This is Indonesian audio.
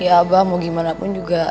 ya abah mau gimana pun juga